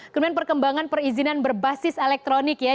kemudian perkembangan perizinan berbasis elektronik ya